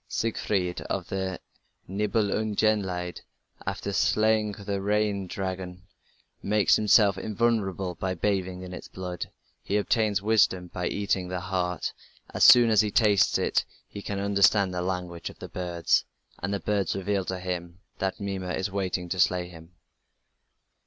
Siegfried of the Nibelungenlied, after slaying the Regin dragon, makes himself invulnerable by bathing in its blood. He obtains wisdom by eating the heart: as soon as he tastes it he can understand the language of birds, and the birds reveal to him that Mimer is waiting to slay him.